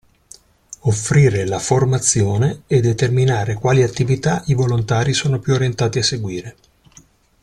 Offrire la formazione e determinare quali attività i volontari sono più orientati a seguire.